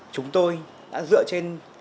chúng tôi đã dựa trên